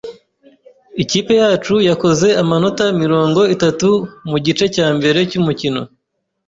Ikipe yacu yakoze amanota mirongo itatu mugice cyambere cyumukino.